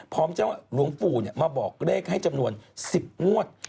พร้อมเจ้าหลวงปู่มาบอกเลขให้จำนวน๑๐งวด